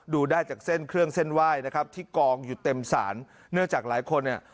ดูได้จากเส้นเครื่องเส้นไหว้นะครับที่กองอยู่เต็มศาลเนื่องจากหลายคนเนี่ย